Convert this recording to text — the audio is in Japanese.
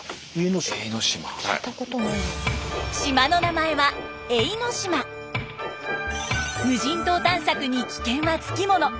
島の名前は無人島探索に危険は付き物。